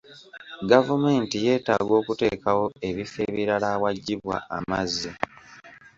Gavumenti yeetaaga okuteekawo ebifo ebirala awaggibwa amazzi.